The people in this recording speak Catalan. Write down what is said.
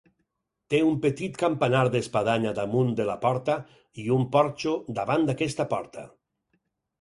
Té un petit campanar d'espadanya damunt de la porta i un porxo davant d'aquesta porta.